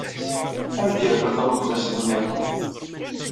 Ad am-d-yernu talemmiẓt niḍen.